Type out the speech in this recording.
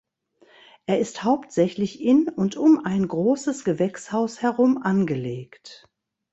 Er ist hauptsächlich in und um ein großes Gewächshaus herum angelegt.